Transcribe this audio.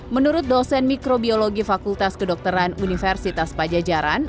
menurut dosen mikrobiologi fakultas kedokteran universitas pajajaran